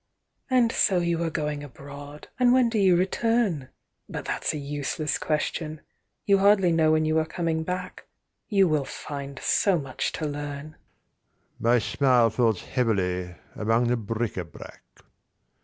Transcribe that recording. "And so you are going abroad; and when do you return? But that's a useless question. You hardly know when you are coming back, You will find so much to learn." My smile falls heavily among the bric à brac.